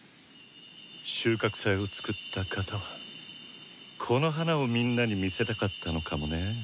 「収穫祭」をつくった方はこの花をみんなに見せたかったのかもねぇ。